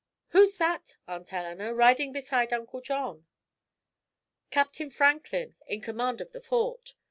"Who's that, Aunt Eleanor, riding beside Uncle John?" "Captain Franklin, in command of the Fort."